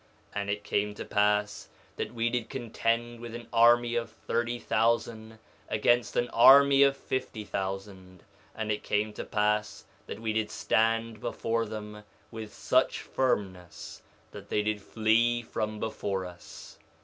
2:25 And it came to pass that we did contend with an army of thirty thousand against an army of fifty thousand. And it came to pass that we did stand before them with such firmness that they did flee from before us.